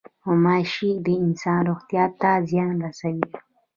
غوماشې د انسان روغتیا ته زیان رسوي.